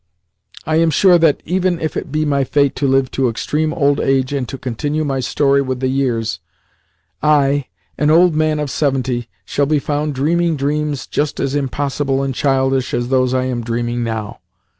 I am sure that, even if it be my fate to live to extreme old age and to continue my story with the years, I, an old man of seventy, shall be found dreaming dreams just as impossible and childish as those I am dreaming now.